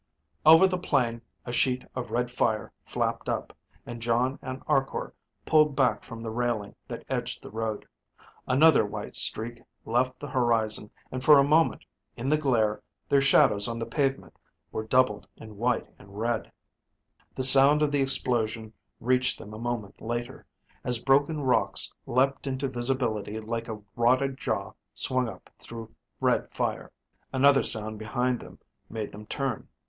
Over the plain, a sheet of red fire flapped up, and Jon and Arkor pulled back from the railing that edged the road. Another white streak left the horizon, and for a moment, in the glare, their shadows on the pavement were doubled in white and red. The sound of the explosion reached them a moment later, as broken rocks leapt into visibility like a rotted jaw swung up through red fire. Another sound behind them made them turn.